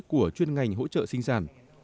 của chuyên ngành hỗ trợ sinh sản